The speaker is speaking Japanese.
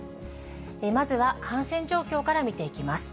まずは感染状況から見ていきます。